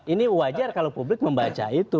ini wajar kalau publik membaca itu